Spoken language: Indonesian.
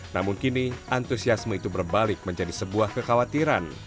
namun kini antusiasme itu berbalik menjadi sebuah kekhawatiran